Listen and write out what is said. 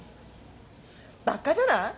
バッカじゃない！？